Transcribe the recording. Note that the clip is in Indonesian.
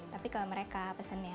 tapi kalau mereka pesennya